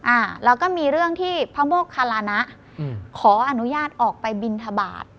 อ่าแล้วก็มีเรื่องที่พระมการณะขออนุญาตออกไปบิณฑบาต